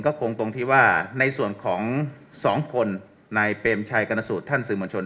ก็คงตรงที่ว่าในส่วนของสองคนนายเปรมชัยกรณสูตรท่านสื่อมวลชน